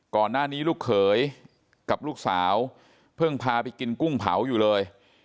ก่อนหน้านี้ลูกเขยกับลูกสาวเพิ่งพาไปกินกุ้งเผาอยู่เลย